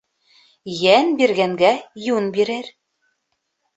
Йән биргәнгә йүн бирер.